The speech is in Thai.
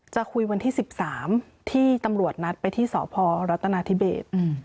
จะคุยวันที่๑๓ที่ตำรวจนัดไปที่สพรัฐนาธิเบศ